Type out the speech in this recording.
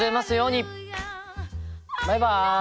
バイバイ！